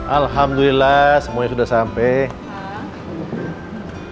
alhamdulillah semuanya sudah sampai